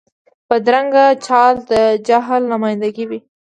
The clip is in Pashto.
بدرنګه چال د جهل نماینده وي